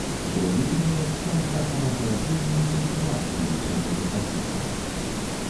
Другі перыяд стаў часам ахаладжэння і кансервацыі ўсяго дасягнутага.